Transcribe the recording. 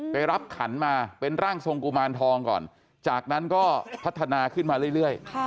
ไปรับขันมาเป็นร่างทรงกุมารทองก่อนจากนั้นก็พัฒนาขึ้นมาเรื่อย